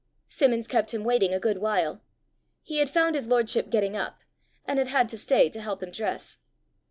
Simmons kept him waiting a good while. He had found his lordship getting up, and had had to stay to help him dress.